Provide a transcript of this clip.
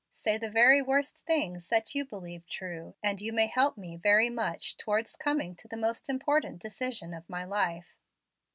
Say the very worst things that you believe true, and you may help me very much towards coming to the most important decision of my life."